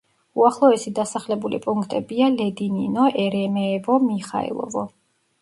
უახლოესი დასახლებული პუნქტებია: ლედინინო, ერემეევო, მიხაილოვო.